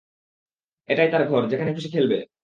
এটাই তার ঘর, যেখানে খুশী খেলবে।